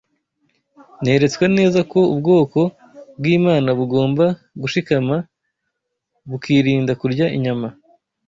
Neretswe neza ko ubwoko bw’Imana bugomba gushikama bukirinda kurya inyama